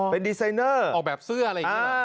เป็นดีไซเนอร์ออกแบบเสื้ออะไรอย่างนี้